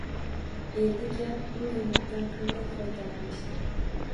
Endi gap bu ne’matdan qanday foydalanishda.